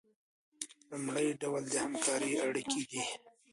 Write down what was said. لومړی ډول د همکارۍ اړیکې دي.